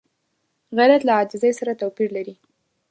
غیرت له عاجزۍ سره توپیر لري